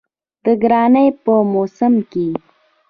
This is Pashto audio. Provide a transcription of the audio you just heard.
د ګرانۍ په موسم کې